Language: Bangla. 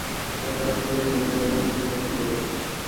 একটা বাচ্চা ছেলে ট্রেনের লাইনের উপর কিছু একটা খুঁজে পেয়েছে।